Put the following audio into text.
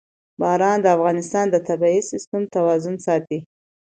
باران د افغانستان د طبعي سیسټم توازن ساتي.